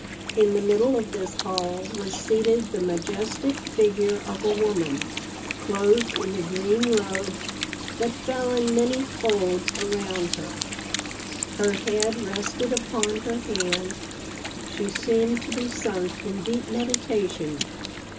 In the middle of this hall was seated the majestic figure of a woman, clothed in a green robe that fell in many folds around her. Her head rested upon her hand; she seemed to be sunk in deep meditation.